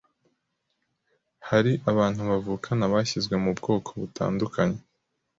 hari abantu bavukana bashyizwe mu bwoko butandukanye